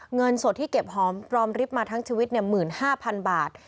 เงินสดที่เก็บหอมรอมริบมาทั้งชีวิต๑๕๐๐๐บาท